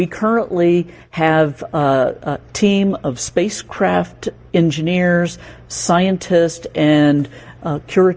kita sedang memiliki pasukan pengisian kapal pengisian dan pengisian